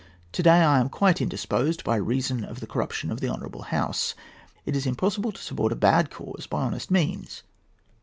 Today I am quite indisposed, by reason of the corruption of the Honourable House. It is impossible to support a bad cause by honest means.